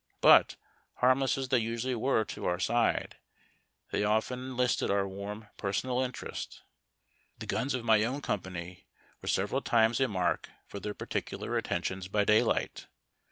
But, harmless as they usually were to our side, they yet often enlisted our warm personal interest. The guns of my own company were several times a mark for their particular attentions by 'daylight.